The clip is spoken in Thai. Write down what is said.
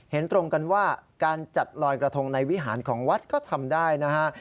เห็นตรงกันว่าการจัดลอยกระทงในวิหารของวัดก็ทำได้นะฮะ